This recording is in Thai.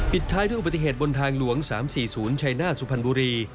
ปิดท้ายด้วยปฏิเหตุบนทางหลวง๓๔๐ชัยนาธสุพันธ์บุรี